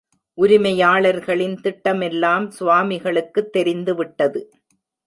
உரிமையாளர்களின் திட்டமெல்லாம் சுவாமிகளுக்குத் தெரிந்துவிட்டது.